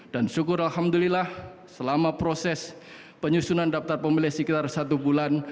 dan syukur alhamdulillah selama proses penyusunan daftar pemilih sekitar satu bulan